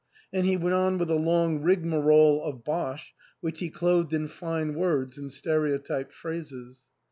And he went on with a long rigmarole of bosh, which he clothed in fine words and stereotyped phrases.